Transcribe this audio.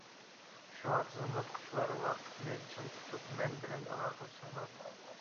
شۇڭا تىزىملاتقۇچىلار ۋاقىتنى چىڭ تۇتۇپ مەن بىلەن ئالاقىلىشىڭلار.